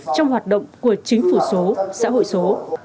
trong hoạt động của chính phủ số xã hội số